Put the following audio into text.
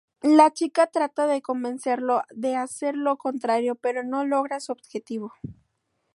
La chica trata de convencerlo de hacer lo contrario pero no logra su objetivo.